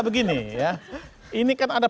begini ya ini kan ada